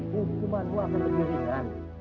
hukumanmu akan lebih ringan